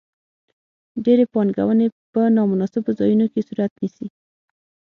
ډېرې پانګونې په نا مناسبو ځایونو کې صورت نیسي.